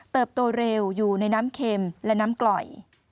โตเร็วอยู่ในน้ำเค็มและน้ำกล่อย